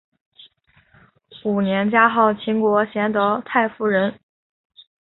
五年加号秦国贤德太夫人。